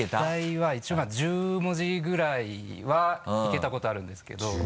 最大は一応１０文字ぐらいはいけたことあるんですけど。